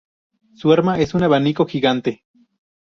Su arma es un abanico gigante.